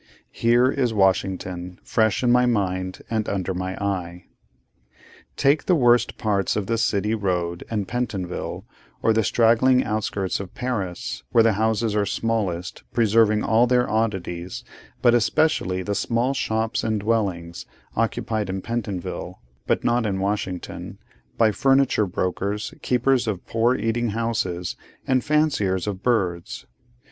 Here is Washington, fresh in my mind and under my eye. Take the worst parts of the City Road and Pentonville, or the straggling outskirts of Paris, where the houses are smallest, preserving all their oddities, but especially the small shops and dwellings, occupied in Pentonville (but not in Washington) by furniture brokers, keepers of poor eating houses, and fanciers of birds.